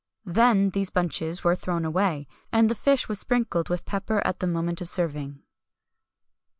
Then these bunches were thrown away, and the fish was sprinkled with pepper at the moment of serving.